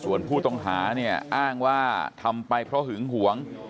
ส่วนผู้ต้องหาเนี่ยอ้างว่าทำไปเพราะหึงหวง